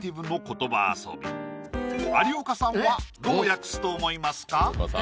言葉遊び有岡さんはどう訳すと思いますか？